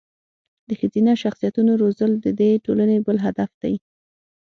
د ښځینه شخصیتونو روزل د دې ټولنې بل هدف دی.